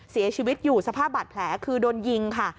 เสียชีวิตอยู่สภาพบาดแผลคือโดนยิงค่ะ